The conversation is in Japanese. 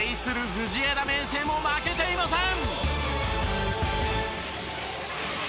藤枝明誠も負けていません。